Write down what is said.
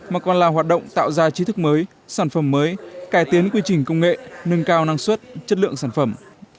mà còn là hoạt động tạo ra trí thức mới sản phẩm mới cải tiến quy trình công nghệ nâng cao năng suất chất lượng sản phẩm